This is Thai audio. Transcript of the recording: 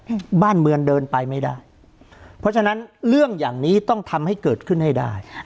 บ้านเมืองเดินไปไม่ได้เพราะฉะนั้นเรื่องอย่างนี้ต้องทำให้เกิดขึ้นให้ได้